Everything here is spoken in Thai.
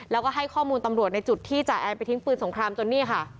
แล้วก็ให้ข้อมูลตำรวจในจุดที่จ่าแอนไปทิ้งปืนสงครามจนนี่ค่ะ